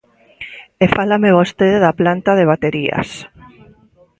E fálame vostede da planta de baterías.